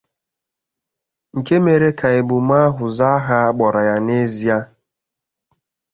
nke mere ka emume ahụ zaa aha a kpọrọ ya n'ezie.